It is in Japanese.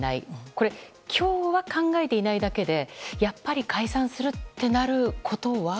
これ、今日は考えていないだけでやっぱり解散するってなることは？